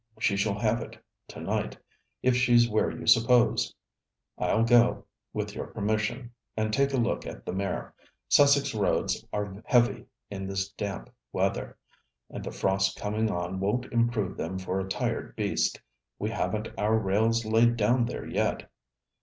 She shall have it to night, if she's where you suppose. I 'll go, with your permission, and take a look at the mare. Sussex roads are heavy in this damp weather, and the frost coming on won't improve them for a tired beast. We haven't our rails laid down there yet.'